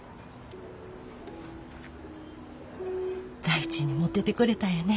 大事に持っててくれたんやね。